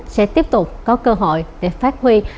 sẽ tiếp tục có cơ hội để phát huy